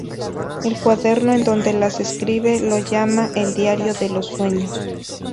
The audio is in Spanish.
El cuaderno en donde las escribe lo llama el "Diario de los Sueños".